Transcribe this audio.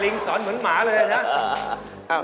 สอนเหมือนหมาเลยนะ